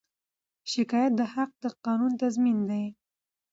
د شکایت حق د قانون تضمین دی.